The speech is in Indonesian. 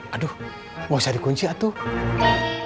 aduh mau saya dikunci atul